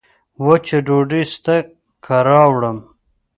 وچه ډوډۍ سته که راوړم